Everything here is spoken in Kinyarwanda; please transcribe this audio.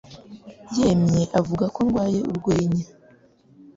yamye avuga ko ndwaye urwenya.